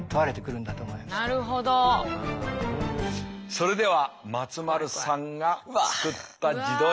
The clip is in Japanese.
それでは松丸さんが作った自撮り。